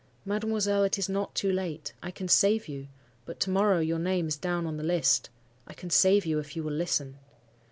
—'Mademoiselle, it is not too late. I can save you: but to morrow your name is down on the list. I can save you, if you will listen.